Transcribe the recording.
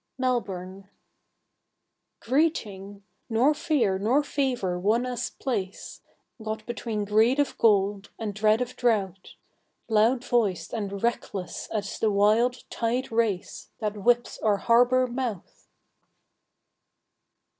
Melbourne. Greeting! Nor fear nor favour won us place, Got between greed of gold and dread of drouth, Loud voiced and reckless as the wild tide race That whips our harbour mouth!